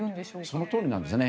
そのとおりなんですね。